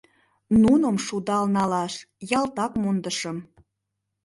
Нуным шудал налаш ялтак мондышым...